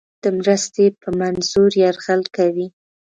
د مرستې په منظور یرغل کوي.